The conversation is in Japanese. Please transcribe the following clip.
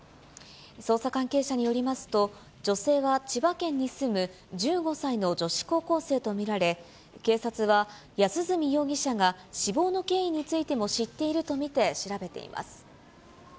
捜査関係者によりますと、女性は千葉県に住む１５歳の女子高校生と見られ、警察は安栖容疑者が死亡の経緯についても知っていると見て、調べています。